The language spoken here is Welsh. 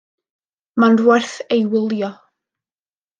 Mae'n werth ei wylio.